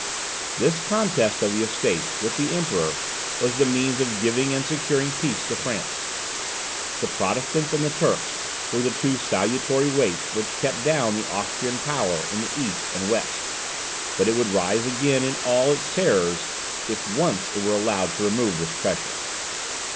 This contest of the Estates with the Emperor was the means of giving and securing peace to France. The Protestants and the Turks were the two salutary weights which kept down the Austrian power in the East and West; but it would rise again in all its terrors, if once it were allowed to remove this pressure.